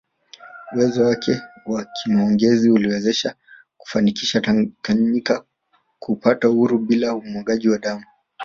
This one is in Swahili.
Uwezo wake wa kimaongezi ulimwezesha kufanikisha Tanganyika kupata uhuru bila umwagaji wa damu